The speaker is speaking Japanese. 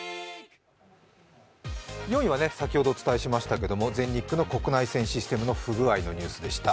４位は先ほどお伝えしましたけれども、全日空の国内線システムの不具合のニュースでした。